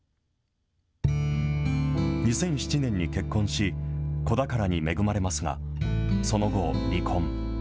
２００７年に結婚し、子宝に恵まれますが、その後、離婚。